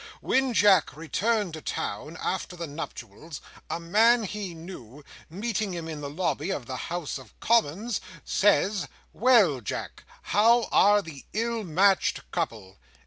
When Jack returned to town, after the nuptials, a man he knew, meeting him in the lobby of the House of Commons, says, 'Well, Jack, how are the ill matched couple?